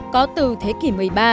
có từ thế kỷ một mươi ba